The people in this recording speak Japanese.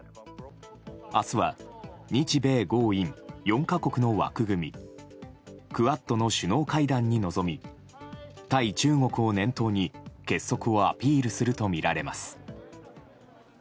明日は、日米豪印４か国の枠組みクアッドの首脳会談に臨み対中国を念頭に結束をアピールするとみられます。